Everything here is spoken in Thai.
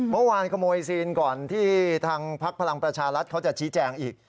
เมื่อวานขโมยซีนก่อนที่ทางพักพลังประชารัฐเขาจะชี้แจงอีก